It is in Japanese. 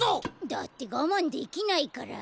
だってがまんできないから。